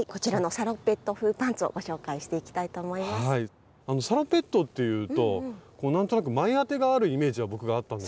サロペットっていうと何となく前当てがあるイメージが僕はあったんですけど。